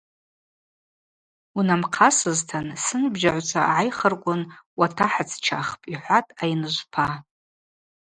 Унамхъасызтын – сынбжьагӏвчва гӏайхырквын уатахӏыцчахпӏ, – йхӏватӏ Айныжвпа.